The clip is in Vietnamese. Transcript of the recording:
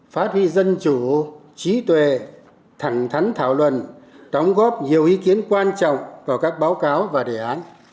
phát huy dân chủ trí tuệ thẳng thắn thảo luận đóng góp nhiều ý kiến quan trọng vào các báo cáo và đề án